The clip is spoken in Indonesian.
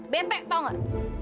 bumbung bepek tau gak